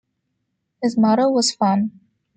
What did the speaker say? His motto was "fun".